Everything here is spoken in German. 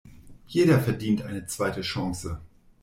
Jeder verdient eine zweite Chance.